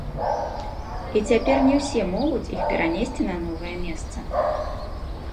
І цяпер не ўсе могуць іх перанесці на новае месца.